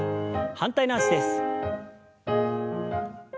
反対の脚です。